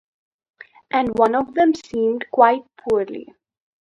And one of them seemed quite poorly.